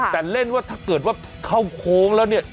แต่เล่นว่าถ้าเกิดว่าเข้าโค้งแล้วเนี่ย